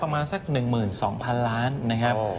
ประมาณสัก๑๒๐๐๐ล้านนะครับ